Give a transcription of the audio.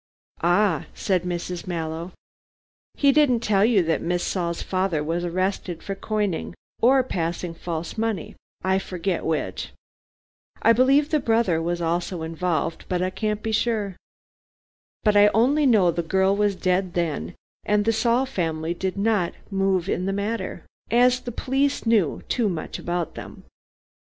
"Ah," said Mrs. Mallow, "he didn't tell you that Miss Saul's father was arrested for coining or passing false money, I forget which. I believe the brother was involved also, but I can't be sure. But I only know the girl was dead then, and the Saul family did not move in the matter, as the police knew too much about them.